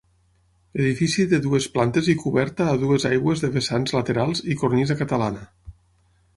Edifici de dues plantes i coberta a dues aigües de vessants laterals i cornisa catalana.